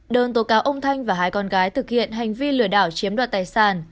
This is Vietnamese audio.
đơn tố cáo ông thanh và hai con gái thực hiện hành vi lừa đảo chiếm đoạt tài sản